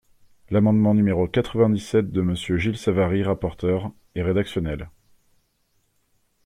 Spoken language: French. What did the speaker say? L’amendement numéro quatre-vingt-dix-sept de Monsieur Gilles Savary, rapporteur, est rédactionnel.